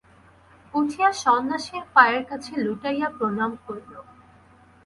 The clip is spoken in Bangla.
উঠিয়া সন্ন্যাসীর পায়ের কাছে লুটাইয়া প্রণাম করিল।